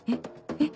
えっ？